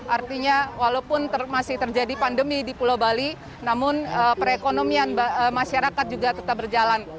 artinya walaupun masih terjadi pandemi di pulau bali namun perekonomian masyarakat juga tetap berjalan